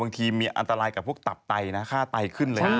บางทีมีอันตรายกับพวกตับไตนะค่าไตขึ้นเลยนะ